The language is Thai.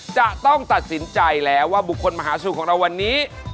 จะต้องตัดสินใจแล้วว่าบุคคลมหาสูตรของเราวันนี้